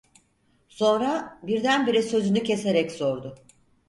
Sonra, birdenbire sözünü keserek sordu: